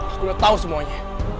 aku udah tau semuanya